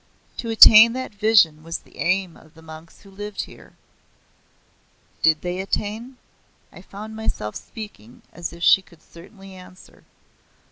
To attain that vision was the aim of the monks who lived here." "Did they attain?" I found myself speaking as if she could certainly answer.